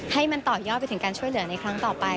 ให้มันต่อยอดไปถึงการช่วยเหลือในครั้งต่อไป